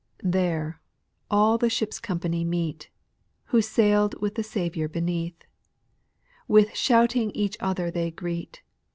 8. There all the ship's company meet. Who saiPd with the Saviour beneath ; With shouting each other they greet.